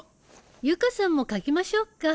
ユカさんも描きましょうか。